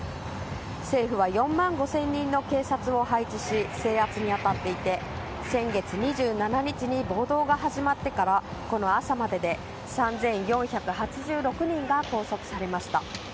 政府は４万５０００人の警察を配置し制圧に当たっていて先月２７日に暴動が始まってからこの朝までで３４８６人が拘束されました。